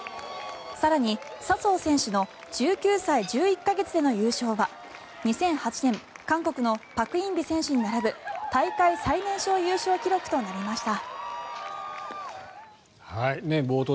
更に、笹生選手の１９歳１１か月での優勝は２００８年、韓国のパク・インビ選手に並ぶ大会最年少優勝記録となりました。